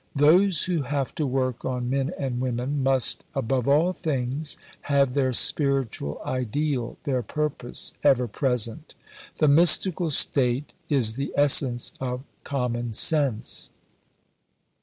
Those who have to work on men and women must above all things have their Spiritual Ideal, their purpose, ever present. The "mystical" state is the essence of common sense.